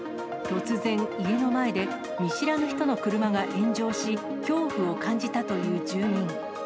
突然、家の前で見知らぬ人の車が炎上し、恐怖を感じたという住民。